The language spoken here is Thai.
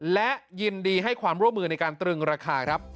และยินดีให้ความร่วมมือในการตรึงราคาครับ